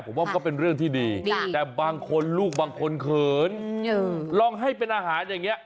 ผมว่ามันก็เป็นเรื่องที่ดีแต่บางคนลูกบางคนเขินลองให้เป็นอาหารอย่างนี้